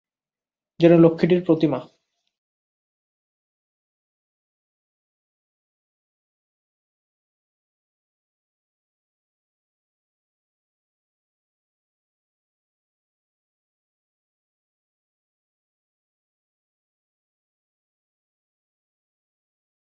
গতকাল, আমি বিকেলে তার অ্যাপার্টমেন্টে তার সাথে দেখা করতে গিয়েছিলাম।